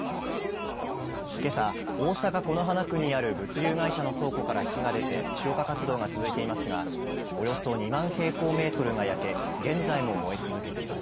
けさ、大阪、此花区にある物流会社の倉庫から火が出て消火活動が続いていますがおよそ２万平方メートルが焼け現在も燃え続けています。